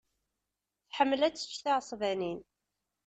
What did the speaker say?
Tḥemmel ad tečč tiɛesbanin.